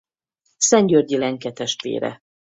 Szentgyörgyi Lenke testvére.